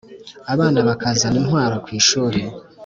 abana bakazana intwaro kwishuli